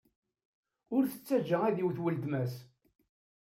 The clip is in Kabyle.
Ur t-ttajja ad iwet weltma-s.